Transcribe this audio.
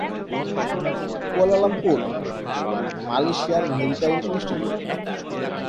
Kuala Lumpur: মালয়েশিয়ার maritime institute.